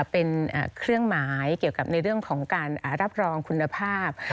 เป็นเครื่องหมายเกี่ยวกับในเรื่องของการรับรองคุณภาพ